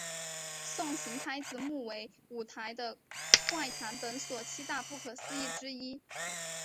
送行拍子木为舞台的怪谈本所七大不可思议之一。